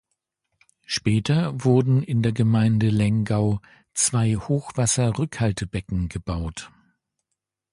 Später wurden in der Gemeinde Lengau zwei Hochwasserrückhaltebecken gebaut.